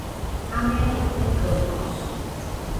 Américo de Campos